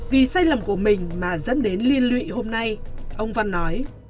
vì sai lầm của mình mà dẫn đến liên lụy hôm nay ông văn nói